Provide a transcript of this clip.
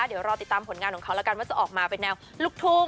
เดี๋ยวรอติดตามผลงานของเขาแล้วกันว่าจะออกมาเป็นแนวลูกทุ่ง